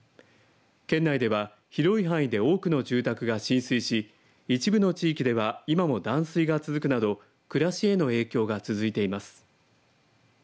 県内では広い範囲で多くの住宅が浸水し一部の地域では今も断水が続くなど暮らしへの影響が続いています。